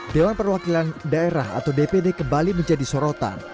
dewan perwakilan daerah atau dpd kembali menjadi sorotan